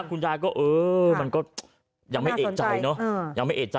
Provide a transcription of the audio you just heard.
คุณยายก็เออมันก็ยังไม่เอกใจเนอะยังไม่เอกใจ